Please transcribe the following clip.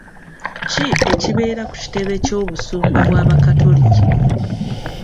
Ki ekibeera ku kitebe ky'obusumba bw'abakatoliki?